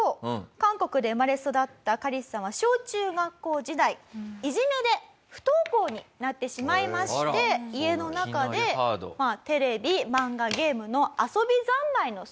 韓国で生まれ育ったカリスさんは小中学校時代いじめで不登校になってしまいまして家の中で。をされていました。